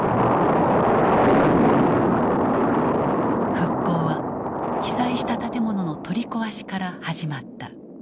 復興は被災した建物の取り壊しから始まった。